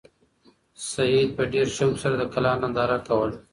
سعید په ډېر شوق سره د کلا ننداره کوله.